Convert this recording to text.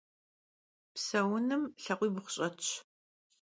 Pseunım lhakhuibğu ş'etş.